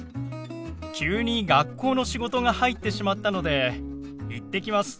急に学校の仕事が入ってしまったので行ってきます。